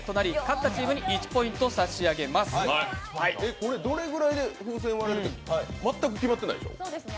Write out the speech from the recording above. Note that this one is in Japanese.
これ、どれぐらいで風船割れるって全く決まってないんですよね？